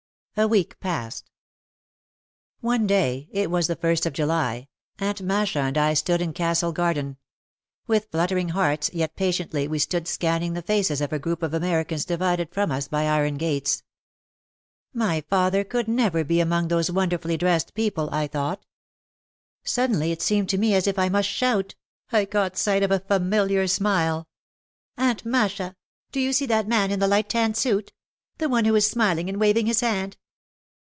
A week passed. One day, it was the first of July, Aunt Masha and I stood in Castle Garden. With fluttering hearts yet pa tiently we stood scanning the faces of a group of Amer icans divided from us by iron gates. "My father could never be among those wonderfully dressed people," I thought. Suddenly it seemed to me as if I must shout. I caught sight of a familiar smile. "Aunt Masha, do you see that man in the light tan suit ? The one who is smiling and waving his hand